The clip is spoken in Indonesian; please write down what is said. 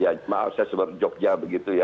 ya maaf saya sebut jogja begitu ya